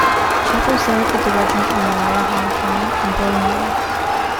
Chapple served with the regiment in Malaya, Hong Kong and Borneo.